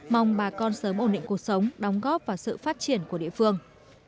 mong bà con sớm ổn định cuộc sống đóng góp và sự phát triển của địa phương